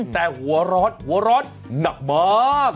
แต่หัวร้อนหัวร้อนหนักมาก